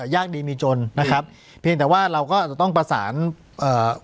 ยากดีมีจนนะครับเพียงแต่ว่าเราก็จะต้องประสานเอ่อ